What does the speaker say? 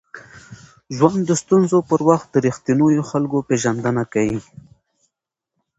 ژوند د ستونزو پر وخت د ریښتینو خلکو پېژندنه کوي.